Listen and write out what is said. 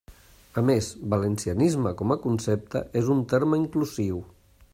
A més, valencianisme com a concepte és un terme inclusiu.